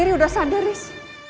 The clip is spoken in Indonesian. riri udah sadar riz